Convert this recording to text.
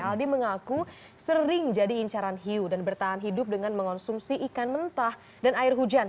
aldi mengaku sering jadi incaran hiu dan bertahan hidup dengan mengonsumsi ikan mentah dan air hujan